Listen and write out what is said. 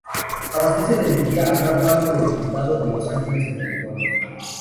Abastece de energía a gran parte del condado de Los Ángeles en California.